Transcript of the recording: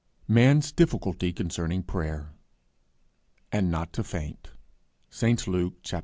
MAN'S DIFFICULTY CONCERNING PRAYER. ' and not to faint.' ST. LUKE xviii.